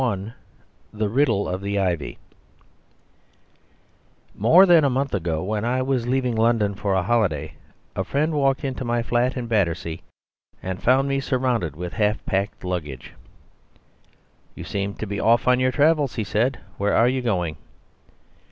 XXXI. The Riddle of the Ivy More than a month ago, when I was leaving London for a holiday, a friend walked into my flat in Battersea and found me surrounded with half packed luggage. "You seem to be off on your travels," he said. "Where are you going?"